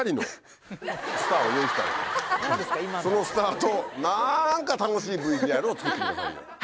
そのスターとなんか楽しいＶＴＲを作ってくださいよ。